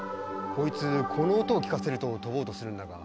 こいつこの音を聞かせると飛ぼうとするんだが。